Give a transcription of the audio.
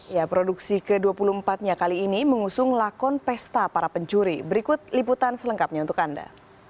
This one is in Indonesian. ya produksi ke dua puluh empat nya kali ini mengusung lakon pesta para pencuri berikut liputan selengkapnya untuk anda